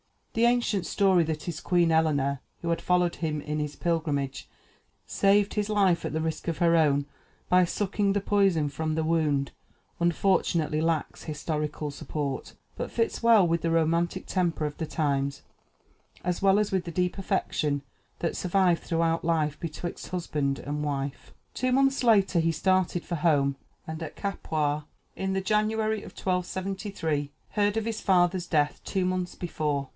The ancient story that his queen Eleanor, who had followed him in his pilgrimage, saved his life at the risk of her own by sucking the poison from the wound, unfortunately lacks historical support, but fits well with the romantic temper of the times, as well as with the deep affection that survived throughout life betwixt husband and wife. Two months later he started for home, and at Capua, in the January of 1273, heard of his father's death two months before.